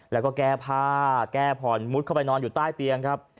แล้วก็แก้พ่าแก้พอนมุดเข้าไปนอนอยู่ใต้เธองครับ